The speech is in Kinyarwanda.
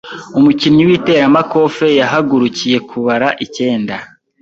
Umukinnyi w'iteramakofe yahagurukiye kubara icyenda.